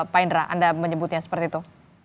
pak indra anda menyebutnya seperti itu